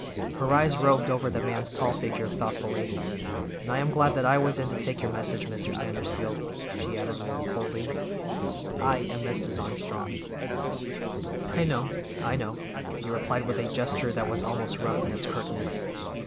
Her eyes roved over the man's tall figure thoughtfully. "And I am glad that I was in to take your message, Mr. Sandersfield," she added a little coldly. "I am Mrs. Armstrong." "I know, I know," he replied with a gesture that was almost rough in its curtness.